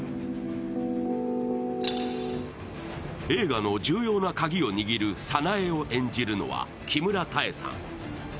映画の重要な鍵を握る早苗を演じるのは、木村多江さん。